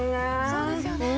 そうですよね。